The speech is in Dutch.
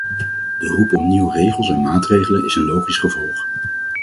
De roep om nieuwe regels en maatregelen is een logisch gevolg.